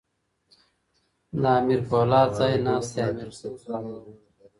د امیر پولاد ځای ناستی امیر کروړ بابا وو.